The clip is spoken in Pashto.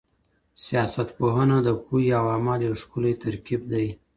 سیاست پوهنه د پوهې او عمل یو ښکلی ترکیب دی.